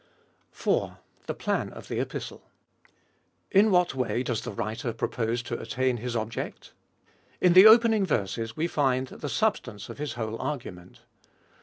4. THE PLAN OF THE EPISTLE. In what way does the writer propose to attain his object ? In the opening verses we find the substance of his whole argu ment.